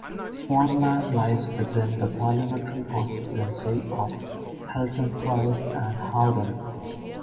Swanland lies within the Parliamentary constituency of Haltemprice and Howden.